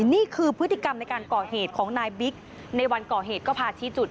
นี่คือพฤติกรรมในการก่อเหตุของนายบิ๊กในวันก่อเหตุก็พาชี้จุด